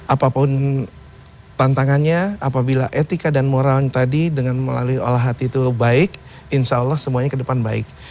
apapun tantangannya apabila etika dan moral tadi dengan melalui olah hati itu baik insya allah semuanya ke depan baik